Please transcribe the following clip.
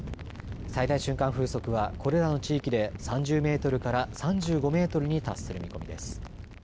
最大瞬間風速はこれらの地域で３０メートルから３５メートルに達する見込みです。